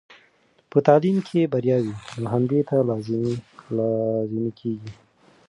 که په تعلیم کې بریا وي، نو همدې ته لازمي کیږي.